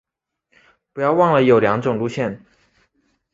不要忘了有两种路线